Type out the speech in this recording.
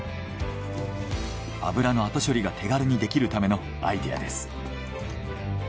油の後処理が手軽にできるためのアイデアです。